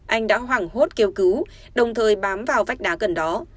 anh đã hoảng hốt kêu cứu đồng thời bám vào vách đá gần đó